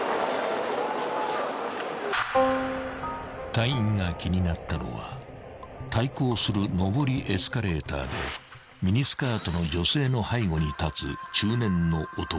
［隊員が気になったのは対向する上りエスカレーターでミニスカートの女性の背後に立つ］